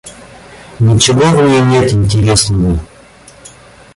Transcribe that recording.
Ничего в ней нет интересного!